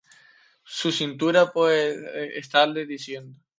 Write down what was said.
Su cintura puede estarle diciendo